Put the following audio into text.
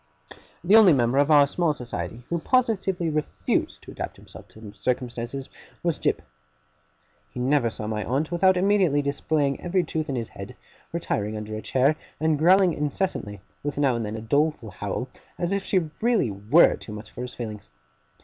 The only member of our small society who positively refused to adapt himself to circumstances, was Jip. He never saw my aunt without immediately displaying every tooth in his head, retiring under a chair, and growling incessantly: with now and then a doleful howl, as if she really were too much for his feelings.